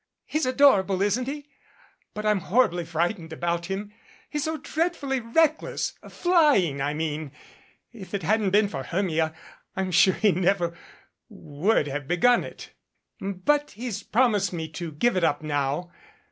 "He's adorable, isn't he? But I'm horribly fright ened about him. He's so dreadfully reckless flying, I mean. If it hadn't been for Hermia, I'm sure he never would have begun it. But he has promised me to give it up now.